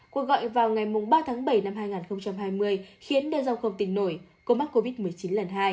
cuộc gọi vào ngày ba tháng bảy năm hai nghìn hai mươi khiến de jong không tỉnh nổi cô mắc covid một mươi chín lần hai